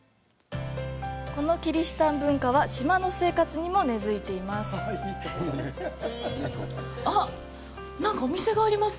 このキリシタン文化は島の生活にも根づいています。